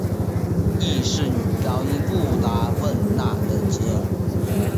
亦是女高音穆拉汶娜的侄儿。